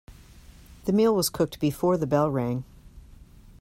The meal was cooked before the bell rang.